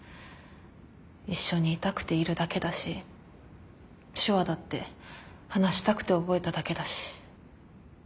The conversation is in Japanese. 一緒にいたくているだけだし手話だって話したくて覚えただけだし。